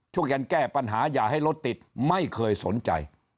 ช่วยกันแก้ปัญหาอย่าให้รถติดไม่เคยสนใจ